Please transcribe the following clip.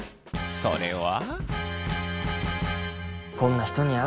それは。